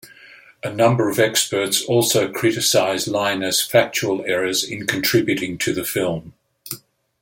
A number of experts also criticised Lynas's factual errors in contributing to the film.